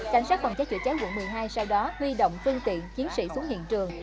cháy chủ cháy quận một mươi hai sau đó huy động phương tiện chiến sĩ xuống hiện trường